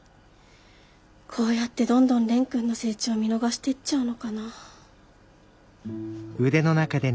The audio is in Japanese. こうやってどんどん蓮くんの成長見逃していっちゃうのかな。